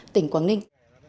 tỉnh quảng ninh